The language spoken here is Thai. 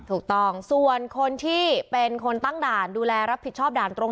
มีกล้วยติดอยู่ใต้ท้องเดี๋ยวพี่ขอบคุณ